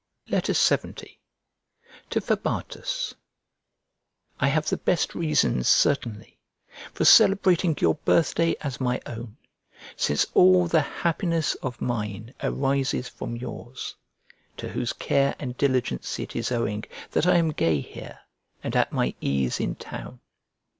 LXX To FABATUS I HAVE the best reason, certainly, for celebrating your birthday as my own, since all the happiness of mine arises from yours, to whose care and diligence it is owing that I am gay here and at my ease in town.